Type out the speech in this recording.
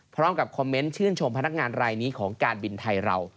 พร้อมกับคอมเมนต์ชื่นชมพนักงานรายนี้ของการบินไทยเรา